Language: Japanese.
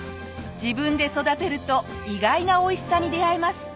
自分で育てると意外なおいしさに出会えます。